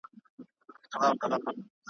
د ړانده سړي تر لاسه یې راوړی `